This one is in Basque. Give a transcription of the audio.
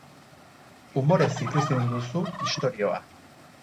Umorez zipriztindu duzu istorioa.